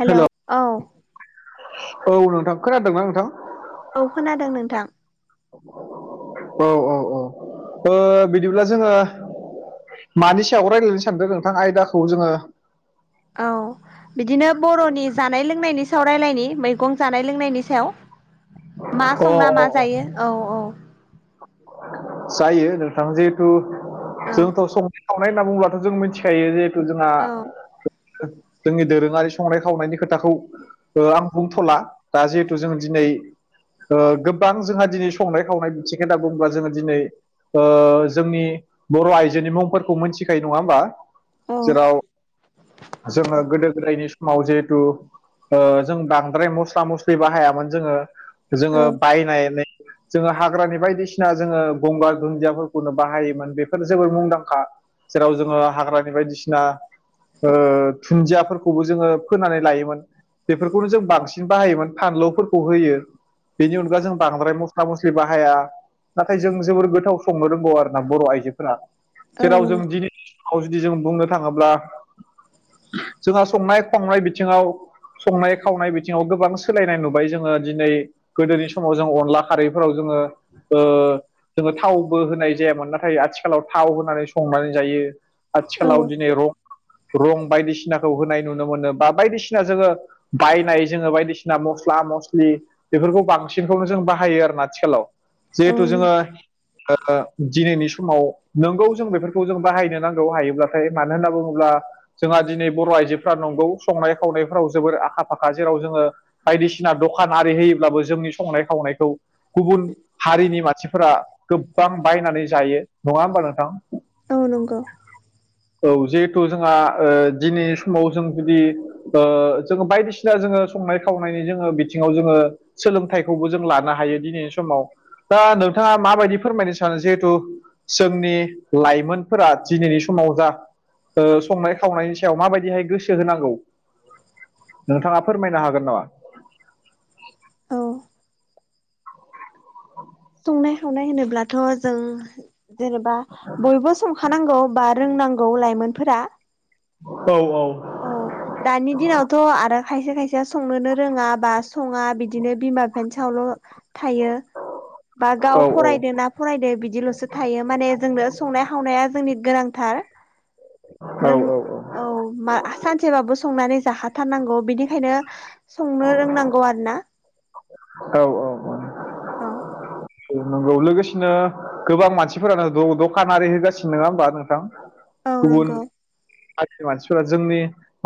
हेल' औ औ नोंथां खोनादोंना नोंथां। औ खोनादों नोंथां। औ औ औ बिदिब्ला जोङो। मानि सायाव रायज्लायनो सानदों नोंथां आयदाखौ जोङो। औ। बिदिनो बर'नि जानाय लोंनायनि सायाव रायलायनि मैगं जानाय लोंनायनि सायाव। मा संना अ मा अ जायो औ औ। जायो नोंथाङा जिहेथु औ जोंथ' संनाय खावनाय होनना बुङोबथ' जों मिथि। खायो जिहेथु जोंहा जोंनि दोरोङारि संनाय खावनायनि खोथाखौ। आं बुंथ'ला दा जिहेथु जोंङो दिनै। गोबां जोंहा दिनै संनाय खावनाय बिथिं खोथा बुङोबा जोङो दिनै। जोंनि बर' आइजोनि मुंफोरखौ मोनथिखायो नङा होमबा। औ जेराव जोङो गोदो गोदायनि समाव जिहेथु। जों बांद्राय मस्ला मस्लि बाहायामोन जोङो। जोंङो औ बाय जोंङो हाग्रानि बायदिसिना। बासिना जोङो गंगार दुन्दियाफोरखौनो बाहायोमोन बेफोर जोबोर मुंदांखा। जेराव जोङो हाग्रानि बायदिसिना। दुन्दियाफोरखौबो जोङो फोनानै लायोमोन। बेफोरखौनो जों बांसिन बाहायोमोन फानलुफोरखौ होयो। बेनि अनगा जों बांद्राय मस्ला मस्लि बाहाया। नाथाय जों जोबोर गोथाव संनो रोंगौ आरोना बर' आइजोफोरा औ जेराव जों नंगौ दिनै। जुदि जों बुंनो थाङोब्ला जोंहा संनाय खावनाय बिथिङाव। संनाय खावनाय बिथिङाव गोबां सोलायनाय नुबाय जोङो दिनै। गोदोनि समाव जों अनला खारैफोराव जोङो। जोङो थावबो होनाय जायामोन नाथाय आथिखालाव थाव होनानै संनानै जायो। औ आथिखालाव दिनै रं रं बायदिसिनाखौ होनाय नुनो मोनो बा बायदिसिना जोङो। बायनाय जोङो बायदिसिना मस्ला मस्लि। बेफोरखौ बांसिनखौनो जों बाहायो आरोना आथिखालाव औ जिहेथु जोङो। दिनैनि समाव नोंगौ जों बेफोरखौ जों बाहायनो नांगौ हायोब्लाथाय मानो होनना बुङोब्ला। जोंहा दिनै बर' आइजोफ्रा नंगौ संनाय खावनायफ्राव जोबोर आखा फाखा जेराव जोङो। बायदिसिना दखान आरि होयोब्लाबो जोंनि संनाय खावनायखौ गुबुन। हारिनि मानसिफोरा गोबां बायनानै जायो नङा होमबा नोंथां। औ नंगौ। औ जिहेथु जोंहा दिनै समाव जों जुदि। ओ जोखो फाइफ‌ सिथार जोंङो संनाय खावनायनि जोङो बिथिङाव जोङो। सोलोंथाइखौबो जों लानो हायो दिनैनि समाव। दा नोंथाङा माबायदि फोरमायनो सानो जिहेथु। जोंनि लाइमोनफोरा दिनैनि समाव जा। ओ संनाय खावनायनि सायाव माबायदिहाय गोसो होनांगौ नोंथाङा फोरमायनो हागोन नामा? औ। संनाय खावनाय होनोब्लाथ' जों जेनेबा बयबो संखानांगौ बा। रोंनांगौ लाइमोनफोरा। औ औ। औ दानि दिनावथ' आरो खायसे खायसे संनोनो रोङा बा सङा बिदिनो बिमा। पेन्सआवल' थायो बा औ गाव फरायदों ना। फरायदो बिदिल'सो थायो माने जोंनो संनाय खावनाया जोंनि गोनांथार। औ नों औ औ। औ मा सानसेबाबो संनानै जाहाथारनांगौ बिनिखायनो। संनो रोंनांगौ आरो ना। औ औ औ। नंगौ लोगोसेनो गोबां मानसिफोरानो दखानारि होगासिनो नङा होमबा नोंथां? औ गुबुन नंगौ जाथिनि मानसिफोरा जोंनि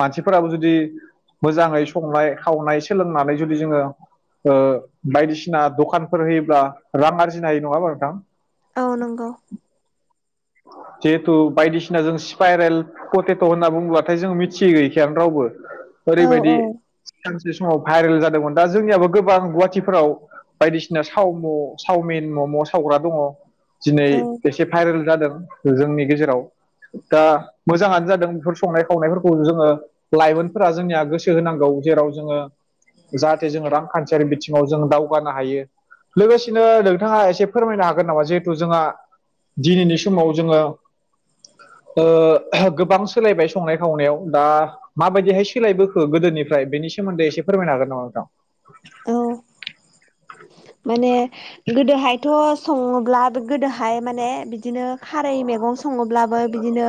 मानसिफोराबो जुदि मोजाङै संनाय खावनाय सोलोंनानै जुदि जोङो ओ बायदिसिना दखानफोर होयोब्ला रां आरजिनो हायो नङा होनबा नोंथां? औ नंगौ। जिहेथु बायदिसिना जों स्पाइरेल पथेथ' होनना बुंङोलाथाय जोङो मिथियै गैयैखायानो रावबो। औ ओरैबायदि औ बे समाव भाइरेल जादोंमोन दा जोंनियाबो गोबां गुवाहाटिफोराव बायदिसिना सावम' सावमिन मम' सावग्रा दङ दिनै औ एसे भाइरेल जादों। जोंनि गेजेराव दा मोजाङानो जादों बेफोर संनाय खावनायफोरखौ जोङो लाइमोनफोरा जोंनिया गोसो होनांगौ जेराव जोङो जाहाथे जोङो रांखान्थियारि बिथिङाव जों दावगानो हायो। लोगोसेनो नोंथाङा एसे फोरमायनो हागोन नामा जिहेथु जोंहा दिनैनि समाव जोङो गोबां ओ सोलायबाय संनाय खावनायाव दा माबायदिहाय सोलायबोखो गोदोनिफ्राय बेनि सोमोन्दै एसे फोरमायनो हागोन नामा नोंथां? औ माने गोदोहाय थ' सङोब्ला गोदोहाय माने बिदिनो खारै मैगं सङोब्लाबो बिदिनो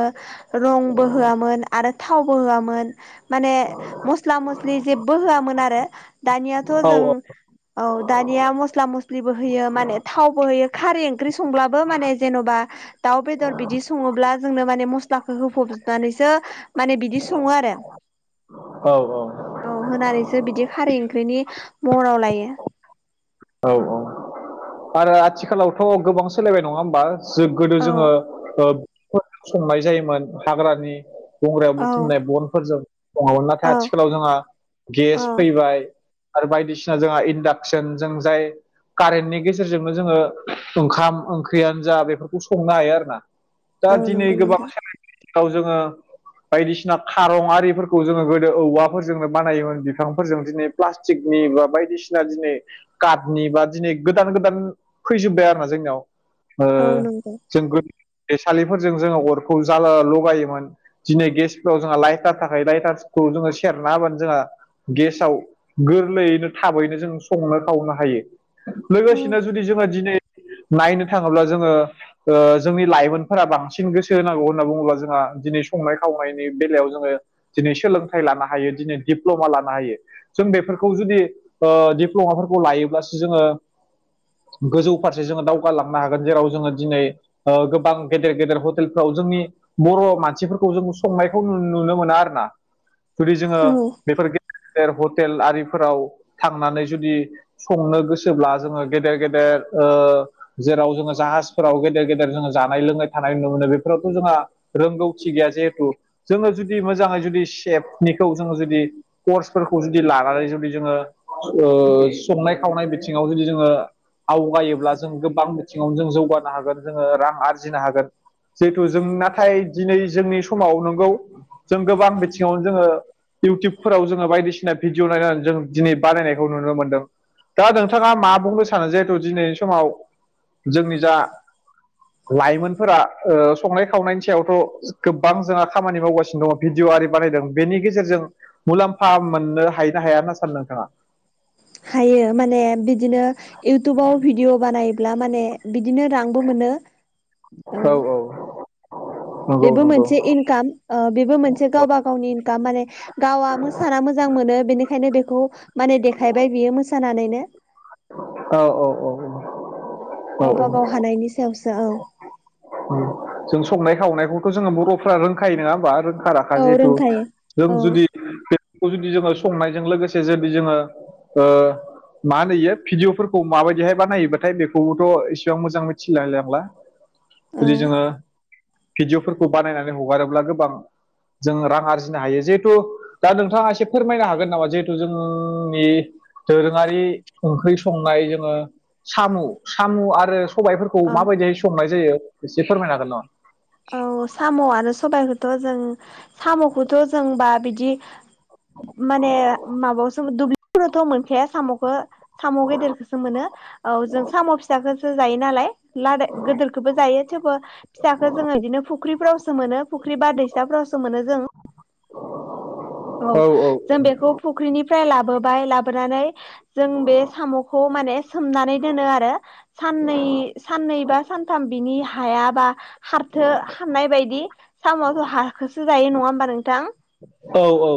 रंबो होआमोन आरो थावबो होआमोन माने मस्ला मस्लि जेबो होआमोन आरो दानियाथ' औ जों औ दानिया मस्ला मस्लिबो होयो माने थावबो होयो। खारै ओंख्रि संब्लाबो माने जेन'बा दाउ बेदर बिदि सङोब्ला जोंनो माने मस्ला स्लाखौ होफबनानैसो माने बिदि सङो आरो औ औ। औ होनानैसो बिदि खारै ओंख्रिनि महराव लायो। औ औ। आरो आथिखालावथ' गोबां सोलायबाय नङा होमबा जों गोदो औ जोङो। ओ संनाय जायोमोन हाग्रानि गंग्रायाव औ बुथुमनाय बनफोरजों सङोमोन नाथाय औ आथिखालाव जोंहा गेस औ फैबाय आरो बायदिसिना जोंहा इन्डाक्सन जों जाय कारेन्टनि गेजे जेरजोंनो जोङो ओंखाम ओंख्रियानो जा बेफोरखौ संनो हायो आरोना दा औ दिनै नंगौ गोबां नोंथां सोलायनय दिनाव जोङो बायदिसिना खारं आरिफोरखौ जोङो गोदो औवाफोरजोंनो बानायोमोन बिफांफोरजों दिनै प्लास्टिकनि बा बायदिसिना दिनै काटनि बा दिनै गोदान गोदान फैजोबबाय आरोना जोंनियाव ओ औ नंगौ जों गो दैसालिफोरजों जोङो अरखौ जाला लगायोमोन दिनै गेसफ्राव जोंहा लाइटार थाखाय लाइटारखौ जोङो सेरना होबानो जोंहा गेसाव गोरलैयैनो थाबैनो जों संनो खावनो हायो औ लोगोसेनो जुदि जोङो दिनै नायनो थाङोब्ला जोङो ओ जोंनि लाइमोनफोरा बांसिन गोसो होनांगौ होनना बुङोब्ला जोंहा दिनै संनाय खावनायनि बेलायाव जोङो दिनै सोलोंथाइ लानो हायो दिनै दिप्ल'मा लानो हायो। जों बेफोरखौ जुदि ओ दिप्ल'माफोरखौ लायोब्लासो जोङो गोजौ फारसे जोङो दावगालांनो हागोन जेराव जोङो दिनै ओ गोबां गेदेर गेदेर हटेलफ्राव जोंनि बर' मानसिफोरखौ जों संनायखौ नुनो मोना आरो ना जुदि जोङो औ बेफोर गे देर हटेल आरिफोराव थांनानै जुदि संनो गोसोब्ला जोङो गेदेर गेदेर ओ जेराव जोङो जाहाजफोराव गेदेर गेदेर जोङो जानाय लोंनाय थानाय नुनो मोनो बेफोरावथ' जोंहा रोंगौथि गैया जिहेथु जोङो जुदि मोजाङै जुदि सेफनिखौ जोङो जुदि कर्सफोरखौ जुदि लानानै जुदि जोङो ओ संनाय खावनाय बिथिङाव जुदि जो ङो आवगायोब्ला जों गोबां बिथिङावनो जों जौगानो हागोन जोङो रां आरजिनो हागोन जिहेथु जों नाथाय दिनै जोंनि समाव नंगौ जों गोबां बिथिङावनो जोङो इउटुबफोराव जोङो बायदिसिना भिडिय' नायनानै जों दिनै बानायनायखौ नुनो मोनदों दा नोंथाङा मा बुंनो सानो जिहेथु दिनैनि समाव जोंनि जा लाइमोनफोरा ओ संनाय खावनायनि सायावथ' गोबां जोंहा खामानि मावगासिनो दङ भिडिय' आरि बानायदों बेनि गेजेरजों मुलाम्फा मोननो हायो ना हाया होनना सानो नोंथाङा हायो माने बिदिनो इउटुबाव भिडिअ बानायब्ला माने बिदिनो रांबो मोनो औ नंगौ बेबो नंगौ मोनसे इनकाम ओ बेबो मोनसे गावबा गावनि इनकाम माने गावआ मोसाना मोजां मोनो बेनिखायनो बेखौ माने देखायबाय बियो मोसानानैनो औ औ औ औ औ गावबा गाव औ हानायनि सायावसो औ जों संनाय खावनायखौथ' जोङो बर'फ्रा रोंखायो नङा होमबा रोंखा रा खा औ जेथु रोंखायो जों औ जुदि खौ जुदि जोङो संनायजों लोगोसे जुदि जोङो ओ मा होनो इयो भिडिय'फोरखौ माबायदिहाय बानायोबाथाय बेखौबोथ' एसेबां मोजां मिथिलालाय लांला औ जुदि जोङो भिडिअ'फोरखौ बानायनानै हगारोब्ला गोबां जोङो रां आरजिनो हायो जिहेथु दा नोंथाङा एसे फोरमायनो हागोन नामा जिहेथु जोंनि दोरोङारि ओंख्रि संनाय जोङो साम' साम' आरो सबायाइफोरखौ माबायदिहाय संनाय जायो एसे फोरमायनो हागोन नामा? औ साम' आरो सबायखौथ' जों साम'खौथ' जोंबा बिदि माने माबायावसो दुब्लिफोरावथ' मोनखाया साम'खौ साम' गेदेरखौसो मोनो औ जों साम' फिसाखौसो जायो नालाय लादाय गिदिरखौबो जायो थेवबो फिसाखौ जोङो बिदिनो फुख्रिफ्रावसो मोनो फुख्रि बारदैसाफोरावसो मोनो जों औ जों बेखौ फुख्रिनिफ्राय लाबोबाय लाबोनानै जों बे साम'खौ माने सोमनानै दोनो आरो साननै साननै बा सानथाम बिनि हायाबा हारथो हाननाय बायदि साम'आथ' हाखोसो जायो नङा होमबा नोंथां औ औ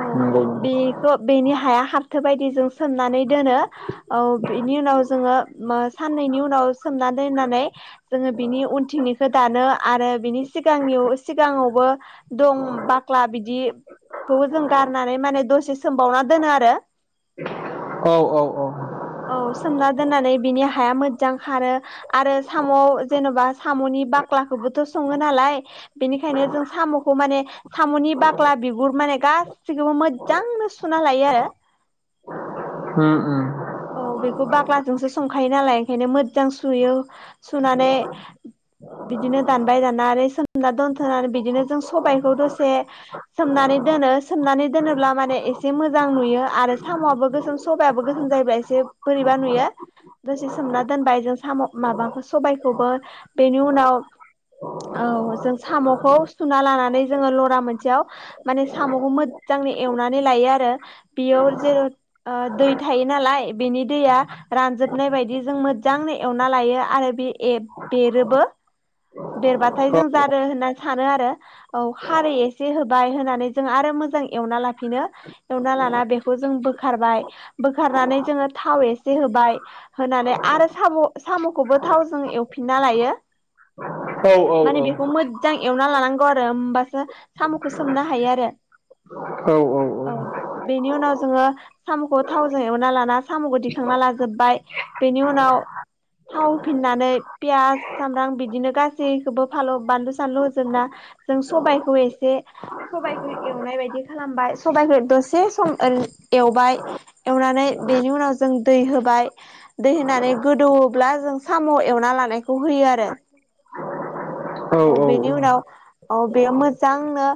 औ नंगौ नंगौ बेखौ बेनि हाया हाबथो बायदि जों सोमनानै दोनो औ बिनि उनाव जोङो साननैनि उनाव सोमना दोननानै जोङो बिनि उनथिंनिखौ दानो आरो बिनि सिगांनि सिगाङावबो दं बाख्ला बिदि खौबो जों गारनानै माने दसे सोमबावना दोनो आरो। औ औ औ। औ सोमना दोननानै बिनि हाया मोजां खारो आरो साम'। जेन'बा साम'नि बाख्लाखौबोथ' सङो नालाय बेनिखायनो जों साम'खौ माने साम'नि बाग्ला बिगुर माने गाैखौबो मोजांनो सुना लायो आरो। ओम ओम औ बेखौ बाग्लाजोंसो संखायो नालाय ओंखायनो मोजां सुयो सुनानै बिदिनो दानबाय दान नानै सोमना दोनथ'नानै बिदिनो जों सबायखौ दसे सोमनानै दोनो सोमनानै दोनोब्ला माने एसे मोजां नुयो आरो साम'आबो गोसोम सबायाबो गोसोम जायोबा एसे बोरैबा नुयो दसे सोमना दोनबाय जों साम' माबाखौ सबायखौबो बेनि उनाव औ जों साम'खौ सुना लानानै जोङो लरा मोनसेयाव माने साम'खौ मोजांनो एवनानै लायो आरो। बेयाव जेर' दै थायो नालाय बेनि दैया रानजोबनाय बायदि जों मोजांनो एवना लायो आरो बे ए बेरोबो देरबाथाय जों जादों होनना सानो आरो औ खारै एसे होबाय होनानै जों आरो मोजां एवना लाफिनो एवना लाना बेखौ जों बोखारबाय बोखारनानै जोङो थाव एसे होबाय होनानै आरो साम' साम'खौबो थावजों एवफिनना लायो औ औ माने औ बेखौ मोजां एवना लानांगौ आरो होमबासो साम'खौ सोमनो हायो आरो औ औ औ‌ बेनि उनाव जोङो साम'खौ थावजों एवना लाना साम'खौ दिखांना लाजोबबाय। बेनि उनाव थाव होफिननानै पियास सामब्राम बिदिनो गासैखौबो फाल' बानलु सानलु होजोबना जों सबायखौ एसे सबाइखौ एवनाय बायदि खालामबाय सबाइखौ दसे सम एवबाय एवनानै बेनि उनाव जों दै होबाय दै होनानै गोदौब्ला जों साम' एवना लानायखौ होयो आरो। औ बेनि उनाव औ बेयो मोजांनो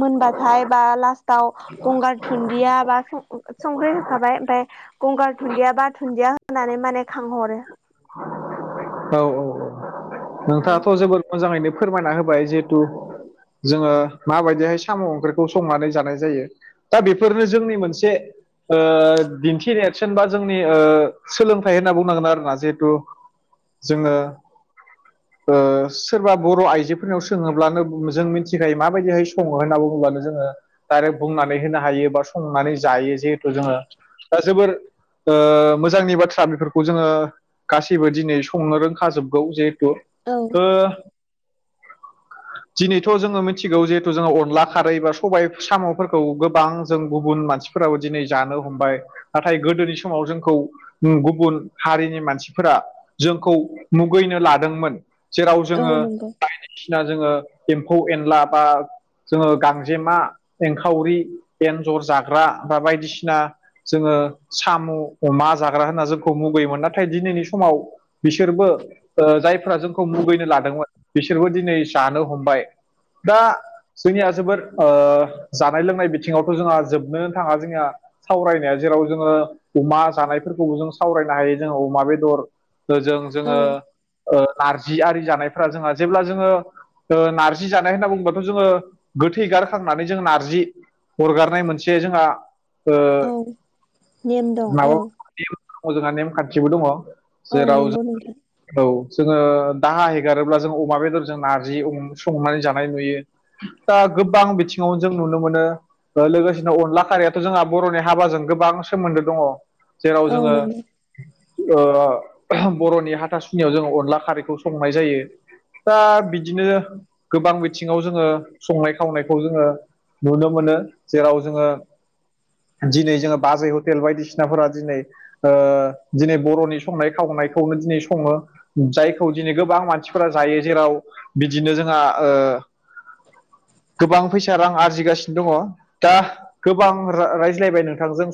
मोनबाथाय बा लास्टाव गंगार दुन्दिया बा संख्रि होखाबाय ओमफफ्राय गंगार दुन्दिया बा दुन्दिया होनानै माने खांहरो। औ औ औ। औ नोंथाङाथ' जोबोद मोजाङैनो फोरमायना होबाय जिहेथु जोङो माबायदिहाय साम' ओंख्रिखौ संनानै जानाय जायो। दा बेफोरनो जोंनि मोनसे ओ दिन्थिनायेरसोन बा जोंनि सोलोंथाइ होनना बुंनांगोन आरो ना जिहेथु जोङो ओ सोरबा बर' आइजोफोरनियाव सोङोब्लानो जों मिथिखायो माबायदिहाय सङो होनना बुङोब्लानो जोङो डायरेक्ट बुंनानै होनो हायो बा संनानै जायो जिहेथु जोङो दा जोबोर ओ मोजांनि बाथ्रा बेफोरखौ जोङो गासैबो दिनै संनो रोंखाजोबगौ जिहेथु औ ओ दिनैथ' जोङो मिथिगौ जिहेथु जोङो अनला खारै बा सबाय साम'फोरखौ गोबां जों गुबुन मानसि फोरावो दिनै जानो हमबाय नाथाय गोदोनि समाव जोंखौ गुबुन हारिनि मानसिफोरा जोंखौ मुगैनो लादोंमोन जेराव औ जोङो नंगौ ना जोङो एम्फौ एनला बा जोङो गांजेमा एंखावरि एन्जर जाग्रा बा बायदिसिना जोङो साम' अमा जाग्रा होनना जोंखौ मुगैयोमोन नाथाय दिनैनि समाव बिसोरबो ओ जायफ्रा जोंखौ मुगैनो लादोंमोन बिसोरबो दिनै जानो हमबाय। दा जोंनिया जोबोर ओ जानाय लोंनाय बिथिङावथ' जोंहा जोबनोन थाङा जोंनिया सावरायनाया जेराव जोङो अमा जानायफोरखौबो जों सावरायनो हायो जोङो अमा बेदर जों औ जोङो ओ नारजि आरि जानायफ्रा जोंहा जेब्ला जोङो ओ नार्जि जानाय होनना बुङोबाथ' जोङो गोथै गारखांनानै जोंङो नारजि हरगारनाय मोनसे जोंहा ओ औ नेम दं माब औ द जोंहा नेमखान्थिबो दङ। औ जेराव नंगौ जों नोंथां औ जोङो दाहाइ हेगारोब्ला जों अमा बेदरजों नारजि संनानै जानाय नुयो। दा गोबां बिथिङाव जों नुनो मोनो ओ लोगोसेनो अनला खारियाथ' जोंहा बर'नि हाबाजों गोबां सोमोन्दो दङ। जेराव औ जोङो नंगौ ओ‌ बर'नि हाटा सुनियाव जोङो अनला खारैखौ संनाय जायो। दा बिदिनो गोबां बिथिङाव जोङो संनाय खावनायखौ जोङो नुनो मोनो। जेराव जोङो दिनै जोङो बाजै हटेल बायदिसिनाफोरा दिनै ओ दिनै बर'नि संनाय खावनायखौनो दिनै सङो। जायखौ दिनै गोबां मानसिफोरा जायो जेराव बिदिनो जोंहा ओ गोबां फैसा रां आरजिगासिनो दङ दा गोबां राय रायज्लायबाय नोंथांजों